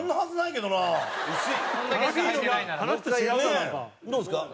どうですか？